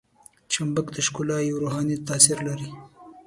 چمبک د ښکلا یو روحاني تاثیر لري.